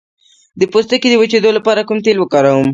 د پوستکي د وچیدو لپاره کوم تېل وکاروم؟